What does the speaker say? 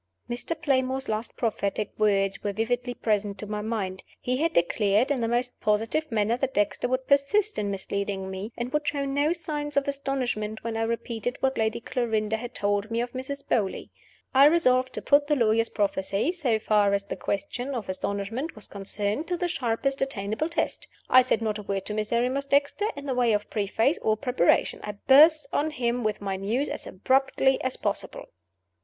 Mr. Playmore's last prophetic words were vividly present to my mind. He had declared, in the most positive manner, that Dexter would persist in misleading me, and would show no signs of astonishment when I repeated what Lady Clarinda had told me of Mrs. Beauly. I resolved to put the lawyer's prophecy so far as the question of astonishment was concerned to the sharpest attainable test. I said not a word to Miserrimus Dexter in the way of preface or preparation: I burst on him with my news as abruptly as possible.